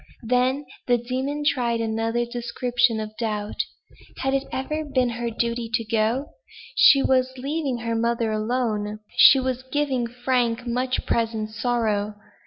Then the demon tried another description of doubt. "Had it ever been her duty to go? She was leaving her mother alone. She was giving Frank much present sorrow.